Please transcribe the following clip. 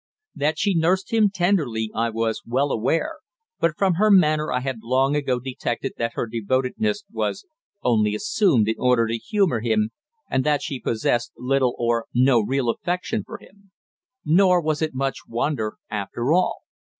That she nursed him tenderly I was well aware, but from her manner I had long ago detected that her devotedness was only assumed in order to humour him, and that she possessed little or no real affection for him. Nor was it much wonder, after all.